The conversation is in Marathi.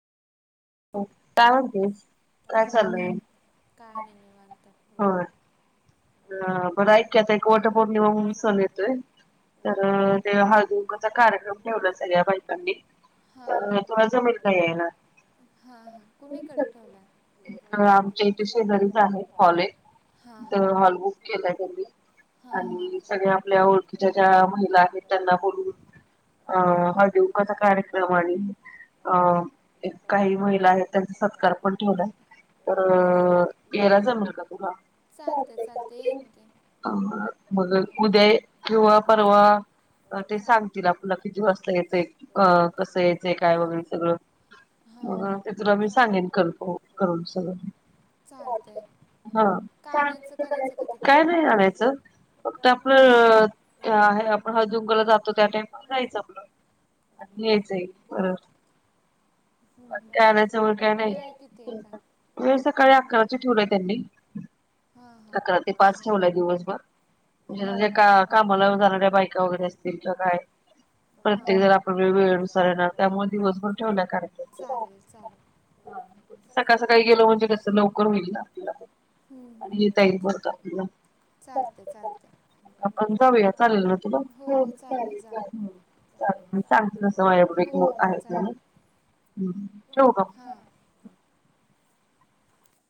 काय म्हणतेस काय चालूय ह हां बरं ऐक की आता एक वट पौर्णिमा म्हणून सण येतोय. तर ते हाळदी-कुंकुंवाचा कार्यक्रम ठेवलाय सगळ्या बायकांनी. हां हां. हां हां कुणीकडे ठेवलाय? हॉल बुक केलाय त्यांनी. आणि सगळ्या आपल्या ओळखीच्या ज्या महिला आहेत त्यांना बोलवुन अ हळदी-कुंकवाचा कार्यक्रम आणि अ काही महि ला आहेत त्यांचा सत्कार पण ठेवलाय. तर यायला जमल का तुला? अ मग उद्या किंवा परवा ते सांगतील आपल्याला किती वाजता यायचंय, अ कसं यायचंय काय वगैरे सगळं. हो. तुला मी सांगेन फोन करून सगळ. करायचं का तिथे. फक्त आपलं ते आहे आपण हळदी-कुंकुंला जातो त्या टाइमात जायचं आपलं. आणि यायचं परत. [unintelligible] वेळ सकाळी अकराची ठेवलंय त्यांनी अकरा ते पाच ठेवलाय दिवसभर. म्हणजे का कामाला जाणाऱ्या बायका वगैरे असतील किंवा काय प्रत्येक जण आपल्या वेळ-वेळेनुसार येणार त्यामुळे दिवसभर ठेवल्या कार्यक्र सकाळ-सकाळी गेलो म्हणजे कस लवकर होईल ना आपलं. आणि येता येईल परत आपल्याला. चालतय चालतय. आपण जाऊया चाललेल ना तुला? सांगते तस वाय आहेत का नाही. ठेवु का?